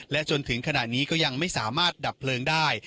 จนถึงขณะนี้ก็ยังไม่สามารถดับเพลิงได้